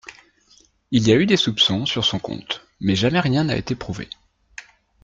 il y a eu des soupçons sur son compte, mais jamais rien n’a été prouvé